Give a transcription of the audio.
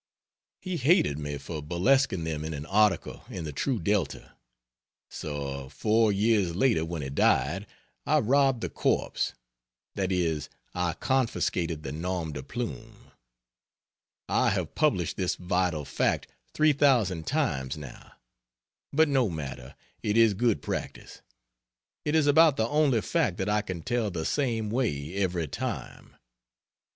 He hated me for burlesquing them in an article in the True Delta; so four years later when he died, I robbed the corpse that is I confiscated the nom de plume. I have published this vital fact 3,000 times now. But no matter, it is good practice; it is about the only fact that I can tell the same way every time.